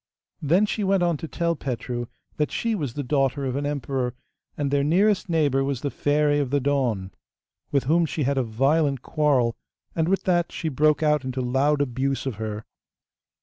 Then she went on to tell Petru that she was the daughter of an emperor, and their nearest neighbour was the Fairy of the Dawn, with whom she had a violent quarrel, and with that she broke out into loud abuse of her.